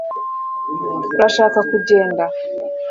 urashaka kugenda